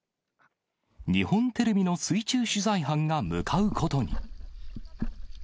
日本テレビの水中取材班が向かうことに。